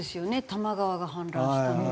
多摩川が氾濫したの。